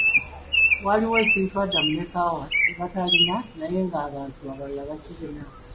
Waliwo ekintu Adam ne Kaawa kye batalina naye ng'abantu abalala bakirina.